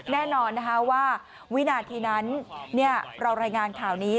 แน่นอนนะคะว่าวินาทีนั้นเรารายงานข่าวนี้